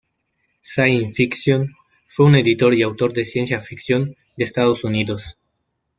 Science Fiction", fue un editor y autor de ciencia ficción de Estados Unidos.